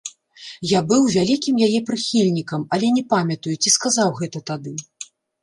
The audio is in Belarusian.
Я быў вялікім яе прыхільнікам, але не памятаю, ці сказаў гэта тады.